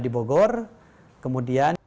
di bogor kemudian